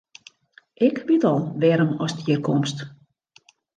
Ik wit al wêrom ast hjir komst.